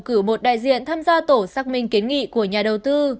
cử một đại diện tham gia tổ xác minh kiến nghị của nhà đầu tư